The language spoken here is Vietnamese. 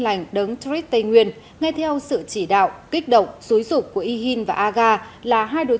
lành đấng trích tây nguyên ngay theo sự chỉ đạo kích động xúi rục của yhin và aga là hai đối